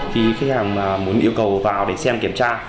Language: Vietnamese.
khi khách hàng muốn yêu cầu vào để xem kiểm tra